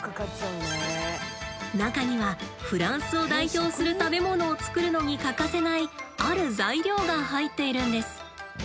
中にはフランスを代表する食べ物を作るのに欠かせないある材料が入っているんです。